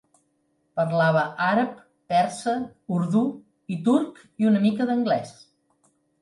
Parlava àrab, persa, urdú i turc i una mica d'anglès.